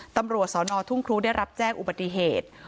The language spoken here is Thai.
ตำรวจสอนอทุ่งครูได้รับแจ้งอุบัติเหตุ